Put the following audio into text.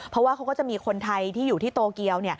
เพราะว่าเขาก็จะมีคนไทยที่อยู่ที่โตเกียว